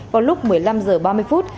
vào lúc một mươi năm h ba mươi phút